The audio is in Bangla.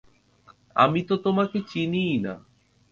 আমি তো তোমাকে চিনিই না।